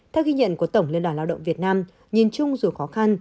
theo ghi nhận của tổng liên đoàn lao động việt nam nhìn chung dù khó khăn